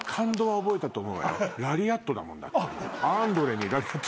ラリアットだもんだって。